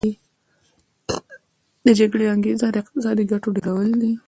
د جګړې انګیزه د اقتصادي ګټو ډیرول وي